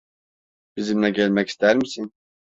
Bizimle gelmek ister misin?